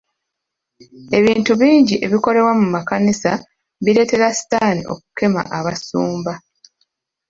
Ebintu ebingi ebikolebwa mu makanisa bireetera sitaani okukema Abasumba.